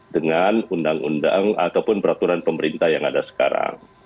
dengan undang undang ataupun peraturan pemerintah yang ada sekarang